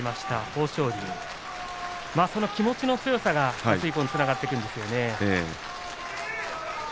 豊昇龍その気持ちの強さが大成功につながっていくんですよね。